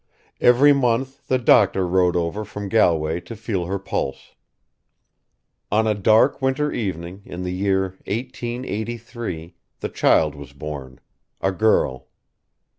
Every month the doctor rode over from Galway to feel her pulse. On a dark winter evening in the year eighteen eighty three the child was born a girl.